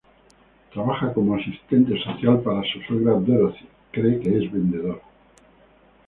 Trabaja como asistente social pero su suegra, Dorothy, cree que es vendedor.